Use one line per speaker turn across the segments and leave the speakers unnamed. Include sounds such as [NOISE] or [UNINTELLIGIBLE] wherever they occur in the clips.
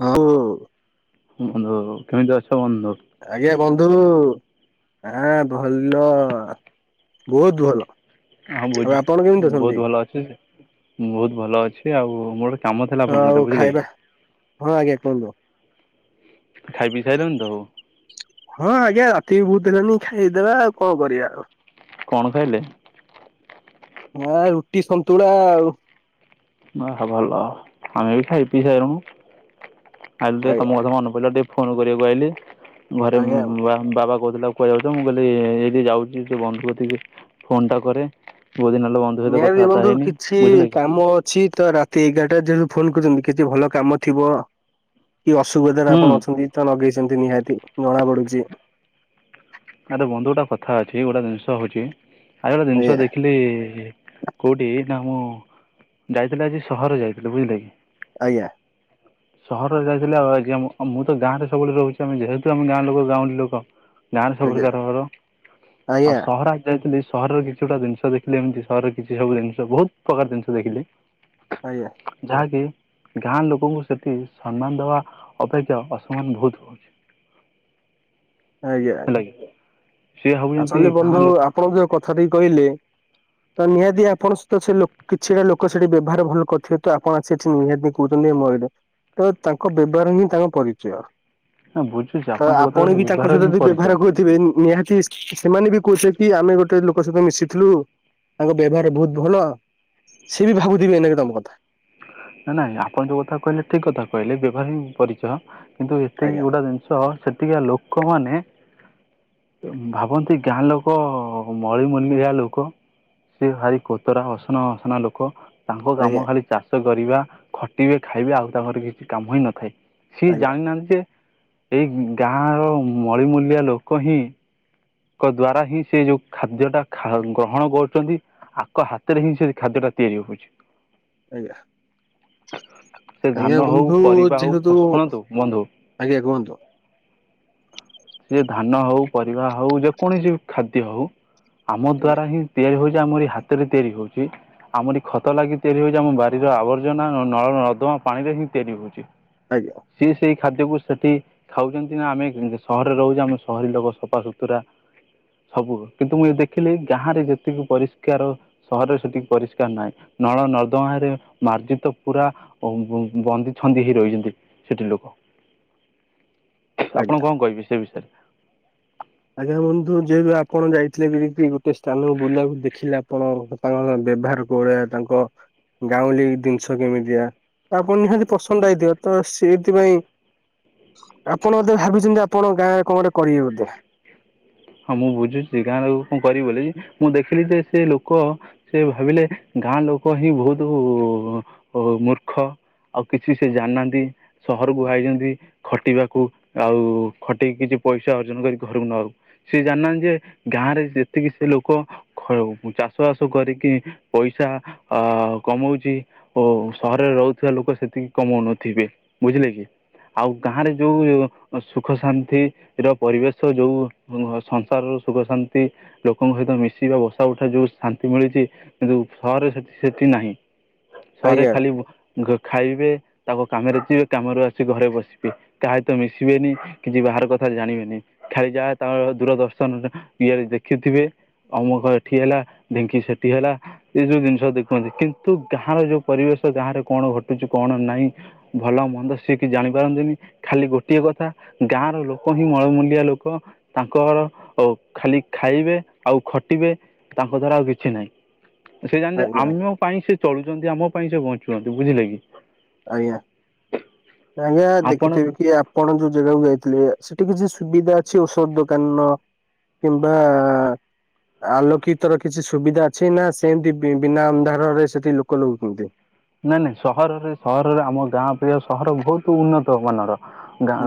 ହ କୁ
ବନ୍ଧୁ କେମିତି ଅଛ ବନ୍ଧୁ?
ଆଜ୍ଞା ବନ୍ଧୁ ଆଁ ଭଲ ବହୁତ ଭଲ।
ହଁ
ଆଉ
ବୁଝୁ
ଆପଣ କେମିତି ଅଛନ୍ତି?
ବହୁତ ଭଲ ଅଛି ମୁଁ ବହୁତ ଭଲ ଅଛି ଆଉ ମୋର ଗୋଟେ କାମ ଥିଲା
ଆଉ
ଆପଣଙ୍କଠି ବୁଝିଲେ କି
ଖାଇବା ହଁ ଆଜ୍ଞା କୁହନ୍ତୁ
ଖାଇ ପି ସାଇଲୁନୁ ତୁ?
ହଁ ଆଜ୍ଞା ରାତି ବି ବହୁତ ହେଲାନି ଖାଇଦବା ଆଉ କଣ କରିବା ଆଉ
କଣ ଖାଇଲେ?
ହଁ ରୁଟି ସନ୍ତୁଳା ଆଉ।
ଭଲ ଆମେ ବି ଖାଇ ପିଇ ସାଇଲୁଣୁ ଖାଇକି ଟିକେ
ଆଜ୍ଞା
ମୋର ମନେପଡ଼ିଲା ଟିକେ ଫୋନ୍ କରିବାକୁ ଆଇଲି ଘରେ
ଆଜ୍ଞା।
ବା ବାବା କହୁଥିଲା କୁଆଡେ ଯାଉଚ ମୁଁ କହିଲି ଏଇ ଯାଉଚି ସେ ବନ୍ଧୁଙ୍କ ଟିକି। ଫୋନ୍ ଟା କରେ ବହୁତ୍ ଦିନ୍ ହେଲା ବ
ନିହାତି ବି ବନ୍ଧୁ କିଛି କାମ ଅ ଅଛି ତ ରାତି ଏଗାରଟା ଯାଏ ଫୋନ୍ କରୁଚନ୍ତି କିଛି ଭଲ କାମ ଥିବ କି ଅସୁବିଧାରେ
ହୁଁ
ଆପଣ ଅଛନ୍ତି ତ ଲଗେଇଚନ୍ତି ନିହାତି ଜଣା ପଡୁଚି
ଆରେ ବନ୍ଧୁ ଗୋଟା କଥା ଅଛି ଗୋଟେ ଜିନିଷ ହଉଚି ଆଉ ଗୋଟେ ଜିନିଷ
ଆଜ୍ଞା
ଦେଖିଲି କଉଠି ନା ମୁଁ ଯାଇଥିଲି ଆଜି ସହରରେ ଯାଇଥିଲି ବୁଝିଲେ କି
ଆଜ୍ଞା।
ଆଜ୍ ସହରରେ ଯାଇଥିଲେ ଆଉ ଆଜ୍ଞା ମୁଁ- ମୁଁ ତ ଗାଁରେ ସବୁବେଳେ ରହୁଚି ଆମେ ଯେହେତୁ ଆମେ ଗାଁ ର ଲୋକ ଗାଉଁଲି ଲୋକ
ଆଜ୍ଞା
ପ୍ରକାରର ଆଉ
ଆଜ୍ଞା
ସହରା ଯାଇଥିଲି ସହରର କିଛି ଗୋଟା ଜିନିଷ ଦେଖିଲି ଏମିତି ସହରର କିଛି ସବୁ ଜିନିଷ ବହୁତ୍ ପ୍ରକାର ଜିନିଷ ଦେଖିଲି।
ଆଜ୍ଞା।
ଯାହାକି ଗାଁ ଲୋକଙ୍କୁ ସେଠି ସମ୍ମାନ ଦବା ଅପେକ୍ଷା ଅସମ୍ମାନ ବହୁତ୍ ହଉଚି।
ଆଜ୍ଞା
ହେଲା
ଏଟା।
କି ସିଏ ଭାବୁଛନ୍ତି
ଆକ୍ଚଲ
ଗାଁ
ବନ୍ଧୁ
ଲୋକ
ଆପଣ ଯଉ କଥାଟି କହିଲେ ତ ନିହାତି ଆପଣ ସହିତ ସେ ଲୋ-କିଛିଟା ଲୋକ ସେଠି ବ୍ୟବହାର ଭଲ କରିଥିବେ ତ ଆପଣ ସେଠି ନିହାତି କହୁଚନ୍ତି [UNINTELLIGIBLE] ତ ତାଙ୍କ ବ୍ୟବହାର ହିଁ ତାଙ୍କ ପରିଚୟ।
ନା ବୁଝୁଛି
ତ
ଯୋଉ କଥା
ଆପଣ ବି
କହିଲେ
ତାଙ୍କ
ବ୍ୟବହାର
ସହିତ
ହିଁ
ଯଦି
ପରିଚୟ
ବ୍ୟବହାର କରଥିବେ ନିହାତି ସେମାନେ ବି କହୁଚନ୍ତି କି ଆମେ ଗୋଟେ ଲୋକ ସହିତ ମିଶିଥିଲୁ ତାଙ୍କ ବ୍ୟବହାର ବହୁତ୍ ଭଲ ସିଏ ବି ଭାବୁଥିବେ ଏଇନେ ବି ତମ କଥା।
ନା-ନାଇଁ ଆପଣ ଯଉ କଥା କହିଲେ ଠିକ୍ କଥା କହିଲେ ବ୍ୟବହାର ହିଁ ପରିଚୟ। କିନ୍ତୁ ଏତିକି
ଆଜ୍ଞା
ଗୋଟା ଜିନିଷ ସେତିକା ଲୋକମାନେ ଭାବନ୍ତି ଗାଁ ଲୋକ ମଳିମୁଣ୍ଡିଆ ଲୋକ ସେ ଭାରି କୋତରା ଅସନା ମସନା ଲୋକ ତାଙ୍କ କାମ
ଆଜ୍ଞା
ଖାଲି ଚାଷ କରିବା ଖଟିବେ ଖାଇବେ ଆଉ ତାଙ୍କର କିଛି କାମ ହିଁ ନଥାଏ। ସିଏ
ଆଜ୍ଞା
ଜାଣିନାହାନ୍ତି ଯେ ଏଇ ଗାଁ ର ମଳିମୂଲିଆ ଲୋକ ହିଁ ତାଙ୍କ ଦ୍ଵାରା ହିଁ ସେ ଯଉ ଖାଦ୍ୟ ଟା ଖା-ଗ୍ରହଣ କରୁଚନ୍ତି ଆକ ହାତ ରେ ହିଁ ସେ ଖାଦ୍ୟ ଟା ତିଆରି ହଉଚି।
ଆଜ୍ଞା।
ସେ ଧାନ
ଆଜ୍ଞା
ହଉ
ବନ୍ଧୁ
ପରିବା ହଉ ଶୁଣନ୍ତୁ ବନ୍ଧୁ
ଯେହେତୁ-ଆଜ୍ଞା କୁହନ୍ତୁ।
ସେ ଧାନ ହଉ ପରିବା ହଉ ଯେକୌଣସି ଖାଦ୍ୟ ହଉ ଆମ
ଆଜ୍ଞା
ଦ୍ଵାରା ହିଁ ତିଆରି ହଉଚି ଆମ ଏଇ ହାତ ରେ ତିଆରି ହଉଚି। ଆମରି ଖତ ଲାଗି ତିଆରି ହଉଚି ଆମ ବାରିର ଆବର୍ଜନା ନଳ ନର୍ଦମା ପାଣିରେ ହିଁ ତିଆରି ହଉଚି।
ଆଜ୍ଞା।
ସିଏ ସେଇ ଖାଦ୍ୟକୁ ସେଠି ଖାଉଚନ୍ତି ନା ଆମେ ସହରରେ ରହୁଚେ ଆମେ ସହରୀ ଲୋକ ସଫାସୁତୁରା। ସବୁ କିନ୍ତୁ ମୁଁ ଦେଖିଲି ଗାଁ ରେ ଯେତିକି ପରିଷ୍କାର ସହରରେ ସେତିକି ପରିଷ୍କାର ନାହିଁ ନଳ ନର୍ଦ୍ଦମାରେ ମାର୍ଜିତ ପୁରା ବ-ବ-ବନ୍ଦୀ- ଛନ୍ଦି ହେଇ ରହିଚନ୍ତି ସେଠି ଲୋକ। ଆପଣ
ଆଜ୍ଞା
କଣ କହିବେ ସେ ବିଷୟରେ?
ଆଜ୍ଞା ବନ୍ଧୁ ଯେହେତୁ ଆପଣ ଯାଇଥିଲେ ବି ଗୋଟେ ସ୍ଥାନକୁ ବୁଲିବାକୁ ଦେଖିଲେ ଆପଣ ତାଙ୍କ ବ୍ୟବହାର କଉ ଭଳିଆ ତାଙ୍କ ଗାଉଁଲି ଜିନିଷ କେମିତିଆ। ଆପଣ ନିହାତି ପସନ୍ଦ୍ ହେଇଥିବ ତ ସେଇଥିପାଇଁ ଆପଣ ବୋଧେ ଭାବିଚନ୍ତି ଆପଣ ଗାଁରେ କଣ ଗୋଟେ କରିବେ ବୋଧେ।
ହଁ ମୁଁ ବୁଝୁଚି ଗାଁ ଲୋକ କଣ କରିବି ବୋଲି ମୁଁ ଦେଖିଲି ଯେ ସେ ଲୋକ ସେ ଭାବିଲେ ଗାଁ ଲୋକ ହିଁ ବହୁତ ମୂର୍ଖ। ଆଉ କିଛି ସେ ଜାଣିନାହାଁନ୍ତି। ସହରକୁୁ ଆଇଛନ୍ତି ଖଟିବାକୁ ଆଉ ଖଟିକି କିଛି ପଇସା ଅର୍ଜନ କରି ଘରକୁ ନବାକୁ। ସିଏ ଜାଣି ନାହାଁନ୍ତି ଯେ ଗାଁରେ ଯେତିକି ସେ ଲୋକ ଖ ଚାଷ ବାସ କରିକି ପଇସା ଅ କମଉଛି ଓ ସହରରେ ରହୁଥିବା ଲୋକ ସେତିକି କମଉନଥିବେ ବୁଝିଲେ କି? ଆଉ ଗାଁରେ ଯଉ ସୁଖ ଶାନ୍ତି ର ପରିବେଶ ଯଉ ଏବଂ ସଂସାରରୁ ସୁଖ ଶାନ୍ତି ଲୋକଙ୍କ ସହିତ ମିଶିିବା ବସା ଉଠା ଯଉ ଶାନ୍ତି ମିଳିଛି କିନ୍ତୁ ସହରରେ ସେତି ସେଠି ନାହିଁ। ସହରରେ
ଆଜ୍ଞା
ଖାଲି ଖାଇବେ ତାଙ୍କ କାମରେ ଯିବେ କାମରୁ ଆସିକି ଘରେ ବସିବେ। କାହା ସହିତ ମିଶିବେନି କିଛି ବାହାର କଥା ଜାଣିବେନି ଖାଲି ଯାହା ତ ଦୂରଦର୍ଶନ ଇଏ ଜଦି ଦେଖିଥିବେ ଅମୁକ ଏଠି ହେଲା ଢେଙ୍କି ସେଠି ହେଲା ଏଇସବୁ ଜିନିଷ ଦେଖନ୍ତି କିନ୍ତୁ ଗାଁର ଯୋଉ ପରିବେଶ ଗାଁରେ କଣ ଘଟୁଛି କଣ ନାଇଁ ଭଲ ମନ୍ଦ ସିଏକିଛି ଜାଣିପାରନ୍ତିନି। ଖାଲି ଗୋଟିଏ କଥା ଗାଁର ଲୋକ ହିଁ ମଳମୂଲିଆ ଲୋକ। ତାଙ୍କର ଖାଲି ଖାଇବେ ଆଉ ଖଟିବେ ତାଙ୍କ ଦ୍ୱାରା ଆଉ କିଛି ନାହିଁ। ସେ ଜାଣିିଲେ
ଆଜ୍ଞା
ଆମ ପାଇଁ ସେ ଚଳୁଛନ୍ତି ଆମ ପାଇଁ ସେ ବଞ୍ଚୁଛନ୍ତି ବୁଝିଲେ କି।
ଆଜ୍ଞା ଆଜ୍ଞା
ଆପଣ
ଦେଖୁଥିବି କି ଆପଣ ଯଉ ଜେଗାକୁ ଯାଇଥିଲେ ସେଠି କିଛି ସୁବିଧା ଅଛି ଔଷଧ ଦୋକାନ ର କିମ୍ବା ଆଲୋକିତର କିଛି ସୁବିଧା ଅଛି ନା ସେମିତି ବିନା ଅନ୍ଧାରରେ ସେଠି ଲୋକ ଲଉଛନ୍ତି।
ନାଇଁ ନାଇଁ ସହରରେ ସହରରେ ଆମ ଗାଁ ଅପେକ୍ଷା ସହର ବହୁତ ଉନ୍ନତ ମାନର।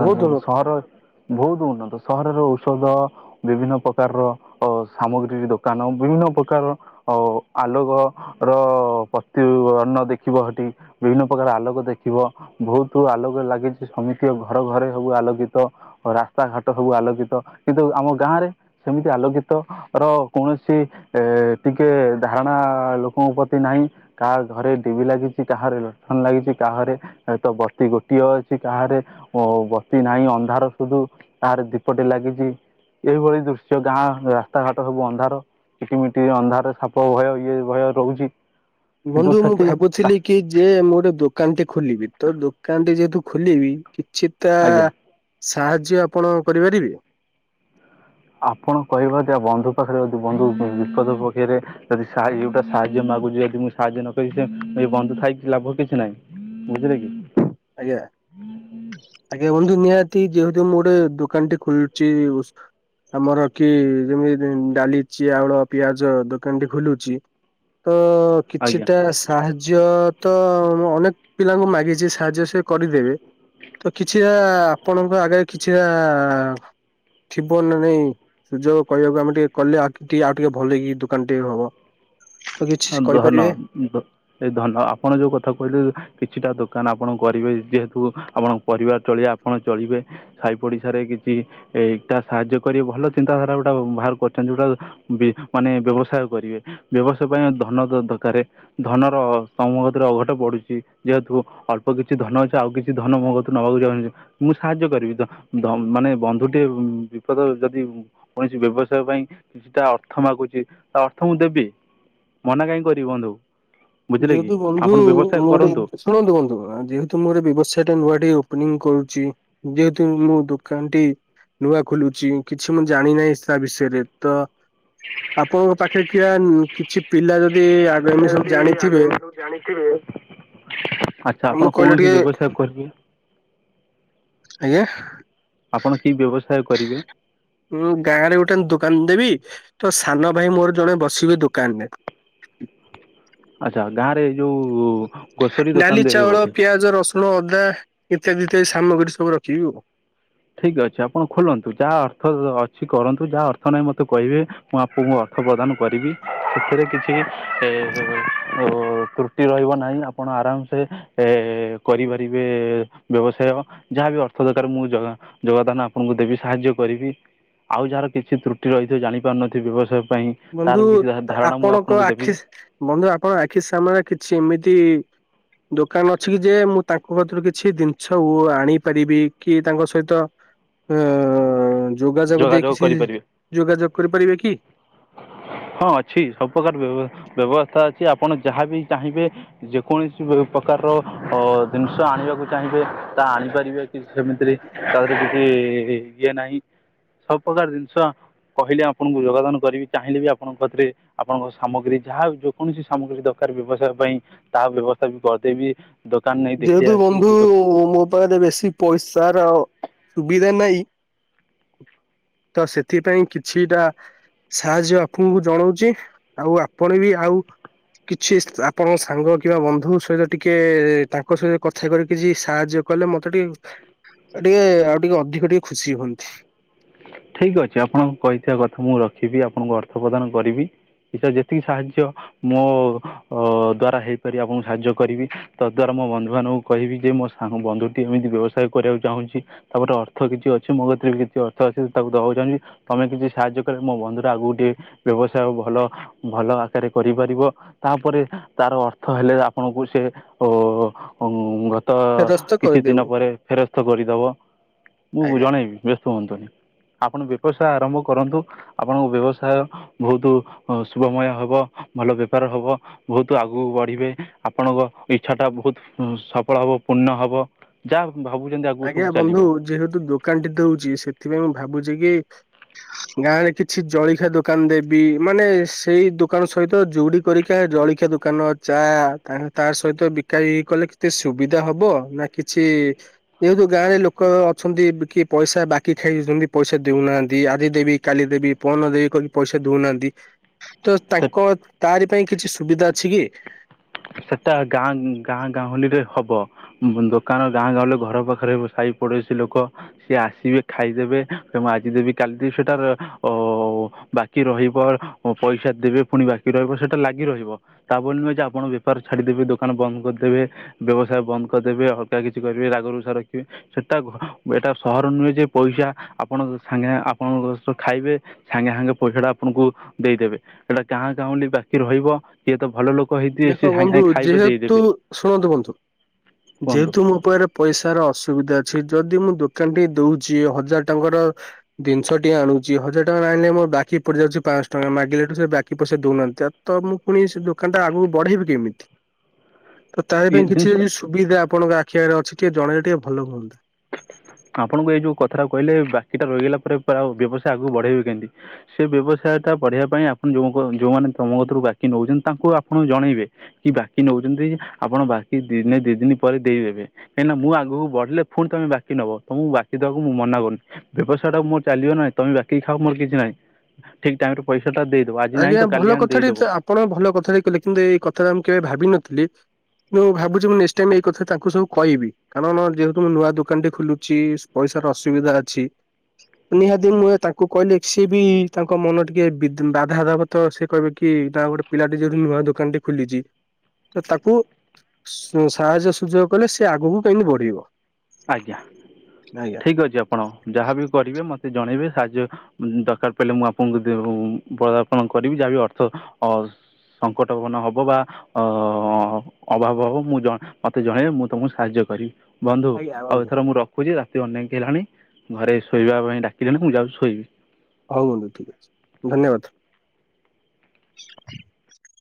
ବହୁତ ଭଲ
ସହର ବହୁତ ଉନ୍ନତ ସହରର ଔଷଧ ବିଭିନ୍ନ ପ୍ରକାରର ଅ ସାମଗ୍ରୀ ଦୋକାନ ବିଭିନ୍ନ ପ୍ରକାର ଆ ଆଲୋକ ର ପତି ବଣ୍ଣ ଦେଖିବ ହେଠି। ବିଭିନ୍ନ ପ୍ରକାର ଆଲୋକ ଦେଖିବ। ଭହୁତ ଆଲୋକ ଲାଗିଛି ସମିତିକ ଘରେ ଘରେ ସବୁ ଆଲୋକିତ। ରାସ୍ତା ଘାଟ ସବୁ ଆଲୋକିତ କିନ୍ତୁ ଆମ ଗାଁରେ ସେମିତି ଆଲୋକିତ ର କୌଣସି ଏ ଟିକେ ଧାରଣା ଲୋକଙ୍କ ପ୍ରତି ନାହିଁ କାହା ଘରେ ଟିଭି ଲାଗିଛି କାହାରେ ଲଣ୍ଠନ ଲାଗିଛି କାହାରେ ତ ବତି ଗୋଟିଏ ଅଛି କାହାରେ ଓ ବତି ନାହିଁ ଅନ୍ଧାର ସୁଧୁ କାହାରେ ଦୀପଟେ ଲାଗିଛି। ଏଇଭଳି ଦୃଶ୍ୟ ଗାଁ ରାସ୍ତାଘାଟ ସବୁ ଅନ୍ଧାର। କିଟିମିଟି ଅନ୍ଧାର ସାପ ଭୟ ଇଏ ଭୟ ରହୁଛି। କିନ୍ତୁ
ବନ୍ଧୁ ମୁଁ
ସେଠି
ଭାବୁଥିଲି କି ଯେ ମୁଁ ଗୋଟେ ଦୋକାନଟେ ଖୋଲିବି ତ ଦୋକାନଟି ଯେହେତୁ ଖୋଲିବି କିଛିଟା
ଆଜ୍ଞା।
ସାହାଯ୍ୟ ଆପଣ କରିପାରିବେ?
ଆପଣ କହିବ ଜା ବନ୍ଧୁ ପାଖରେ ଯଦି ବନ୍ଧୁ ବିପଦ ପକେଇଦିଏ ଯଦି ସାହା ଏଗୁଟା ସାହାଯ୍ୟ ମାଗୁଛି ଯଦି ମୁଁ ସାହାଯ୍ୟ ନକରିବି ସେ ଏ ବନ୍ଧୁ ଥାଇକି ଲାଭ କିଛି ନାହିଁ। ବୁଝିଲେ କି?
ଆଜ୍ଞା। ଆଜ୍ଞା ବନ୍ଧୁ ନିହାତି ଯେହେତୁ ମୁଁ ଗୋଟେ ଦୋକାନ ଟିଏ ଖୋଲୁଛି ଆମର କି ଯେମିତି ଡାଲି ଚିଆଉଳ ପିଆଜ ଦୋକାନ ଟି ଖୋଲୁଛି ତ
ଆଜ୍ଞା
କିଛିଟା ସାହାଯ୍ୟ ତ ଅନେକ ପିଲାଙ୍କୁ ମାଗିଛି ସାହାଯ୍ୟ ସେ କରିଦେବେ ତ କିଛିଟା ଆପଣଙ୍କ ଆଗରେ କିଛିଟା ଥିବ ନା ନାଇଁ ସୁଯୋଗ କହିବାକୁ ଆମେ ଟିକେ କଲେ ଆ ଟିକେ ଆଉ ଟିକେ ଭଲକି ଦୁକାନଟିଏ ହବ। ତ କିଛି
ହଁ ଦହ ନ [INAUDIBLE]
କହିପାରିବେ?
ଏଇ ଧନ ଆପଣ ଯୋଉ କଥା କହିଲେ କିଛିଟା ଦୋକାନ ଆପଣ କରିବେ ଯେହେତୁ ଆପଣଙ୍କ ପରିବାର ଚଳିଆ ଆପଣ ଚଳିବେ ସାଇ ପଡିଶାରେ କିଛି ଏଟା ସାହାଯ୍ୟ କରି ଭଲ ଚିନ୍ତାଧାରା ଗୋଟା ବାହାର କରିଛନ୍ତି ଯଉଟା ମାନେ ବ୍ୟବସାୟ କରିବେ ବ୍ୟବସାୟ ପାଇଁ ଧନ ଦରକାର ଧନର ତମ କତିରେ ଅଘଟ ପଡିଚି ଯେହେତୁ ଅଳ୍ପ କିଛି ଧନ ଅଛି ଆଉ କିଛି ଧନ ମୋ କତିରୁ ନବାକୁ ଚାହୁଁଚ। ମୁଁ ସାହାଯ୍ୟ କରିବି ଧ ଧମ୍ ମାନେ ବନ୍ଧୁଟିଏ ଉଁ ବିପଦରେ ଯଦି ଉଁ କୌଣସି ବ୍ୟବସାୟ ପାଇଁ କିଛିଟା ଅର୍ଥ ମାଗୁଚି ତା ଅର୍ଥ ମୁଁ ଦେବି। ମନା କାହିଁ କରିବି ବନ୍ଧୁ। ବୁଝିଲେ କି
ଯେହେତୁ ବନ୍ଧୁ
ଆପଣ ବ୍ୟବସାୟ
ମୁଁ ଗୋଟେ
କରନ୍ତୁ
[UNINTELLIGIBLE] ଶୁଣନ୍ତୁ ବନ୍ଧୁ ଆ ଯେହେତୁ ମୁଁ ଗୋଟେ ବେବସାୟଟା ନୂଆ ଟିକେ ଓପନିଂ କରୁଚି ଯେହେତୁ ମୋ ଦୋକାନଟି ନୂଆ ଖୋଲୁଚି କିଛି ମୁଁ ଜାଣି ନାହିଁ ସ୍ ତା ବିଷେୟେରେ ତ ଆପଣଙ୍କ ପାଖେରେ କିିଏ ଉଁ କିଛି ପିଲା ଯଦି ଆଗାମୀ ସବୁ ଜାଣି
ତା [UNINTELLIGIBLE] ସବୁ ଜାଣିଥିବେ ଆଚ୍ଛା
ଆମକୁ
ଆପଣ
କହିଲେ
କୌଣସି
ଟିକେ
ବ୍ୟବସାୟ କରିବେ।
ଆଜ୍ଞା।
ଆପଣ କି ବ୍ୟବସାୟ କରିବେ?
ମୁଁ ଗାଁରେ ଗୋଟେ ଦୋକାନ ଦେବି ତ ସାନ ଭାଇ ମୋର ଜଣେ ବସିବେ ଦୋକାନରେ।
ଆଚ୍ଛା ଗାଁରେ ଏ ଯୋଉ ଗୋସରୀ
ଡାଲି
ଦୋକାନ ଦେବେ
ଚାଉଳ
ବୋଧେ।
ପିଆଜ ରସୁ ଉଣ ଅଦା ଇତ୍ୟାଦି ଇତ୍ୟାଦି ସାମଗ୍ରୀ ସବୁ ରଖିବି ଆଉ।
ଠିକ୍ ଅଛି ଆପଣ ଖୋଲନ୍ତୁ ଯା ଅର୍ଥ ଅଛି କରନ୍ତୁ ଯା ଅର୍ଥ ନାହିଁ ମତେ କହିବେ। ମୁଁ ଆପଣଙ୍କୁ ଅର୍ଥ ପ୍ରଦାନ କରିବି ସେଥିରେ କିଛି ଏ ଓ ତ୍ରୁ ଟି ରହିବ ନାହିଁ ଆପଣ ଆରାମସେ ଏ କରିପାରିବେ ବ୍ୟବସାୟ। ଯାହା ବିି ଅର୍ଥ ଦରକାର ମୁଁ ଯଗା ଯୋଗଦାନ ଆପଣୁଙ୍କୁ ଦେବି ସାହାଯ୍ୟ କରିବି। ଆଉ ଯାହାର କିଛି ତ୍ରୁଟି ରହିଥିବ ଜାଣିପାରୁନଥିବେ ବ୍ୟବସାୟ ପାଇଁ ତାର
ବନ୍ଧୁ
ବି କିଛି
ତା
ଧାରଣା ମୁଁ
ଆପଣଙ୍କ
ଆପଣଙ୍କୁ ଦେବି
ଆଖି ସ୍ ବନ୍ଧୁ ଆପଣଙ୍କ ଆଖି ସାମନାରେ କିଛି ଏମିତି ଦୋକାନ ଅଛି କି ଯେ ମୁଁ ତାଙ୍କ କିତରୁ କିଛି ଜିନିଛ ଉ ଆଣି ପାରିବି କି ତାଙ୍କ ସହିତ ଉଁ ଆ ଯୋଗାଯୋଗ ଦେଇ କିଛି ଯୋଗାଯୋଗ କରିପାରିବେ କି?
ହଁ ଅଛି ସବୁପକାର ବେବ ବେବସ୍ତା ଅଛି ଆପଣ ଯାହା ବି ଚାହିଁବେ ଯେକୌଣସି [UNINTELLIGIBLE] ପ୍ରକାରର ଅ ଜିନିଷ ଆଣିବାକୁ ଚାହିଁବେ ତା ଆଣିପାରିବେ। କି ସେମିତିରେ ତାର କିଛି ଇଏ ନାହିଁ। ସବୁ ପକାର ଜିନିଷ କହିଲେ ଆପଣୁଙ୍କୁ ଯୋଗଦାନ କରିବି ଚାହିଁଲେ ବି ଆପଣଙ୍କ କତିରେ ଆପଣଙ୍କ ସାମଗ୍ରୀ ଯାହା ଯୋକୌଣସି ସାମଗ୍ରୀ ଦରକାର ବ୍ୟବସାୟ ପାଇଁ ତା ବ୍ୟବସ୍ତା ବି କରିଦେବି ଦୋକାନ ନେଇ ଦେଖେଇ ଆସିବି [UNINTELLIGIBLE]
ଓ ମୋ ପାଖେରେ ବେଶୀ ପଇସାର ସୁବିଧା ନାଇଁ ତ ସେଥିପାଇଁ କିଛିଟା ସାହାଯ୍ୟ ଆପଣୁଙ୍କୁ ଜଣଉଚି ଆଉ ଆପଣ ବି ଆଉ କିଛି ସ୍ ଆପଣଙ୍କ ସାଙ୍ଗ କିମ୍ବା ବନ୍ଧୁ ସହିତ ଟିକେ ତାଙ୍କ୍ କ ସହିତ କଥା କରିକି କିଛି ସାହାଯ୍ୟ କଲେ ମତେ ଟିକେ ଏ ଟିକେ ଆଉ ଟିକେ ଅଧିକ ଟିକେ ଖୁସି ହୁଅନ୍ତି।
ଠିକ୍ ଅଛି ଆପଣୁଙ୍କୁ କହିଥିବା କଥା ମୁଁ ରଖିବି ଆପଣୁଙ୍କୁ ଅର୍ଥ ପ୍ରଦାନ କରିବି। ହିସାରେ ଯେତିକି ସାହାଯ୍ୟ ମୋ ଅ ଦ୍ଵାରା ହେଇପାରିବ ଆପଣୁଙ୍କୁ ସାହାଯ୍ୟ କରିବି ତଦ୍ ଦ୍ୱାରା ମୋ ବନ୍ଧୁମାନଙ୍କୁ କହିବି ଯେ ମୋ ସାଙ୍ଗ ବନ୍ଧୁଟିଏ ଏମିତି ବ୍ୟବସାୟ କରିବାକୁ ଚାହୁଁଛି। ତାପରେ ଅର୍ଥ କିଛି ଅଛି ମୋ କତିରେ ବି କିଛି ଅର୍ଥ ଅଛି। ତାକୁ ଦବାକୁ ଚାହୁଁଚି ତମେ କିଛି ସାହାଯ୍ୟ କଲେ ମୋ ବନ୍ଧୁଟା ଆଗୁକୁ ଟିକେ ବ୍ୟବସାୟ ଭଲ ଭଲ ଆକାରରେ କରିପାରିବ। ତାପରେ ତାର ଅର୍ଥ ହେଲେ ଆପଣଙ୍କୁ ସେ ଓ ଓଁ ତ
ଫେରସ୍ତ
କିଛି ଦିନ
କରିଦେବୁ
ପରେ ଫେରସ୍ଥ କରିଦବ ମୁଁ
ଆଜ୍ଞା।
ଜଣେଇବି ବ୍ୟସ୍ତ ହୁଅନ୍ତୁନି। ଆପଣ ବେବସାୟ ଆରମ୍ଭ କରନ୍ତୁ ଆପଣଙ୍କ ବ୍ୟବସାୟ ଭୋଉତୁ ଅଁ ଶୁଭମୟ ହବ ଭଲ ବେପାର ହବ। ଭୋଉତୁ ଆଗୁକୁ ବଢିବେ ଆପଣଙ୍କ ଇଛାଟା ଭୋଉତ୍ ଉଁ ସପଳ ହବ ପୂର୍ଣ୍ଣ ହବ ଯା ହ ଭାବୁଛନ୍ତି ଆ
ଆଜ୍ଞା ବନ୍ଧୁ ଯେହେତୁ ଦୋକାନ ଟି ଦଉଛି, ସେଥିପାଇଁ ମୁଁ ଭାବୁଛି କି ଗାଁ ରେ କିଛି ଜଳିଖିଆ ଦୋକାନ ଦେବି, ମାନେ ସେଇ ଦୋକାନ ସହିତ ଯୁଡି କରିକା ଜଳିଖିଆ ଦୋକାନ ଚା ତାହାଁ ତା ସହିତ ବିକା ବିକି କଲେ କେତେ ସୁବିଧା ହବ ନା କିଛି ଯେହେତୁ ଗାଁରେ ଲୋକ ଛନ୍ତି କିଏ ପଇସା ବାକି ଖାଇଯାଉଚନ୍ତି ପଇସା ଦେଉନାହାନ୍ତି। ଆଜି ଦେବି କାଲି ଦେବି ପଅନ ଦେବି କହିକି ପଇସା ଦଉନାହାନ୍ତି। ତ
ସେ
ତାଙ୍କ ତାରି ପାଇଁ କିଛି ସୁବିଧା ଅଛି କି?
ସେଟା ଗାଁ ଗାଁ ଗାଉଁଲି ରେ ହବ। ଦୋକାନ ଗାଁ ଗହଲି ରେ ଘର ପାଖରେ ସାଇ ପୋଡଶୀ ଲୋକ ସିଏ ଆସିବେ ଖାଇଦେବେ, ତ ମୁଁ ଆଜି ଦେବି କାଲି ଦେବି ସେଟାର ଅ, ବା କି ରହିବ ଓ ପଇସା ଦେବେ ପୁଣି ବାକି ରହିବ ସେଟା ଲାଗି ରହିବ। ତା ବୋଲି ନୁହେଁ ଯେ ଆପଣ ବେ ପାର ଛାଡିଦେବେ, ଦୋକାନ ବନ୍ଦ କରିଦେବେ, ବ୍ୟବସାୟ ବନ୍ଦ କରିଦେବେ, ଅଲଗା କିଛି କରିବେ, ରାଗରୁଷା ରଖିବେ। ସେଟା ଏଟା ସହର ନୁହେଁ ଯେ ପଇସା ଆପଣ ସାଙ୍ଗେ ଆପଣଙ୍କ ସଅ ଖାଇବେ ସାଙ୍ଗେ ସାଙ୍ଗେ ପଇସା ଟା ଆପଣଙ୍କୁ ଦେଇଦେବେ। ଏଟା ଗାଁ ଗାଉଁଲି ବାକି ରହିବ। କିଏ ତ ଭଲ ଲୋକ ହେଇ
ଦେଖ ବନ୍ଧୁ ଯେହେତୁ, ଶୁଣନ୍ତୁ ବନ୍ଧୁ,
କୁହନ୍ତୁ
ଯେହେତୁ ମୋ ପାଖରେ ପଇସାର ଅସୁବିଧା ଅଛି, ଯଦି ମୁଁ ଦୋକାନ ଟି ଦଉଛି, ହଜାର ଟଙ୍କାର ଦନିଷ ଟିଏ ଆଣୁଚି, ହଜାର ଟଙ୍କା ରେ ଆଣିଲେ ମୋ ବାକି ପଡିଯାଉଛି ପାଁଶହ ଟଙ୍କା, ମାଗିଲାଠୁ ସେ ବାକି ପଇସା ଦଉନାହାନ୍ତି। ତ ତ ମୁଁ ପୁଣି ସେ ଦୋକାନ ଟା ଆଗକୁ ବଢେଇବି କେମିତି? ତ ତା
ଇଏ
ପାଇଁ କିଛି
ଜିନିଷ
ସୁ ସୁବିଧା ଆପଣଙ୍କ ଆଖି ଆଗରେ ଅଛି ଟିକିଏ ଜଣେଇଲେ ଟିକେ ଭଲ ହୁଅନ୍ତା।
ଆପଣଙ୍କୁ ଏଇ ଯୋଉ କଥାଟା କହିଲେ ବାକି ଟା ରହିଗଲା ପରେ ପେ- ଆଉ ବ୍ୟବସାୟ ଆଗକୁ ବଢେଇବେ କେମିତି। ସେ ବ୍ୟବସାୟ ଟା ବଢିବା ପାଇଁ ଆପଣ ଯୋଉଙ୍କ ଯୋଉମାନେ ତୋମ କତୁରୁ ବାକି ନଉଛନ୍ତି ତାଙ୍କୁ ଆପଣ ଜଣେଇବେ। କି ବାକି ନଉଚନ୍ତି, ଆପଣ ବାକି ଦିନେ ଦି ଦିନ ପରେ ଦେଇଦେବେ। କାହିଁକିନା ମୁଁ ଆଗକୁ ବଢିଲେ ଫୁଣି ତୋମେ ବା କି ନବ, ତୋମକୁ ବାକି ଦବାକୁ ମୁଁ ମନା କରୁନି, ବ୍ୟବସାୟ ଟା ମୋ ଚାଲିବନା, ତୋମେ ବାକି ଖାଅ ମୋର କିଛି ନାହିଁ। ଠିକ୍ ଟାଇମ୍ ରେ ପଇସା ଟା ଦେଇଦବ ଆଜି ନାଇ
ଆଜ୍ଞା
ତ
ଭଲ
କାଲି ଆଣି
କଥାଟି ତ
ଦେଇଦବ।
ଆପଣ ଭଲ କଥାଟି କହିଲେ କିନ୍ତୁ ଏଇ କଥାଟା ମୁଁ କେବେ ଭାବିନଥିଲି। ମୁଁ ଭାବୁଛି ମୁଁ ନେକ୍ସ ଟାଇମ୍ ଏଇ କଥା ତାଙ୍କୁ ସବୁ କଇବି। କାରଣ ଯେହେତୁ ମୁଁ ନୂଆ ଦୋକାନଟେ ଖୋଲୁଛି, ପଇସାର ଅସୁବିଧା ଅଛି। ନିହାତି ମୁଁ ଏ ତାଙ୍କୁ କହିଲେ ସିଏ ବି ତାଙ୍କ ମନ ଟିକେ ବିଦୃ ବା ଧା ଦାବତ ସେ କହିବେ କି [UNINTELLIGIBLE] ଗୋଟେ ପିଲାଟି ଯୋଉଠି ନୂଆ ଦୋକାନ ଟେ ଖୋଲିଚି ତ ତାକୁ ସାହାଯ୍ୟ ସୁଯୋଗ କଲେ ସେ ଆଗକୁ କେମିତି ବଢିବ।
ଆଜ୍ଞା
ଆଜ୍ଞା
ଠିକ୍ ଅଛି ଆପଣ ଯାହାବି କରିବେ ମୋତେ ଜଣେଇବେ। ସାହାଯ୍ୟ ଦରକାର ପଡ଼ିଲେ ମୁଁ ଆପଣଙ୍କୁ ଦେ- ହଉ ପଦାର୍ପଣ କରିବି ଯାହାବି ଅର୍ଥ ଅ, ସଙ୍କଟନ ପୂର୍ଣ୍ଣ ହବ ବା ଅ, ଅଭାବ ହବ ମୁଁ ଜ- ମୋତେ ଜଣେଇବେ ମୁଁ ତୋମକୁ ସାହାଯ୍ୟ କରିବି। ବନ୍ଧୁ
ଆଜ୍ଞା
ଆଉ
ବନ୍ଧୁ
ଏଥର ମୁଁ ରଖୁଚି ରାତି ଅନେକ ହେଲାଣି ଘରେ ଶୋଇବା ପାଇଁ ଡାକିଲେଣି ମୁଁ ଯାଉଛି ଶୋଇବି।
ହଉ ବନ୍ଧୁ ଠିକ୍ ଅଛି ଧନ୍ୟବାଦ। [UNINTELLIGIBLE]